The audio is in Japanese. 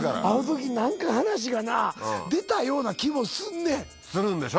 あの時何か話がな出たような気もすんねん。